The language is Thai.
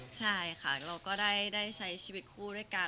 ใช่ค่ะเราก็ได้ใช้ชีวิตคู่ด้วยกัน